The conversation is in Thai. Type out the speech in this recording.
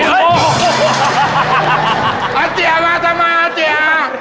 อ้าวเจียวาสมองอ้าวเจีย